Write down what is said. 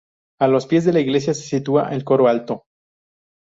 A los pies de la iglesia se sitúa el coro alto.